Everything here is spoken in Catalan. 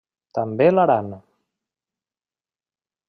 També l'Aran.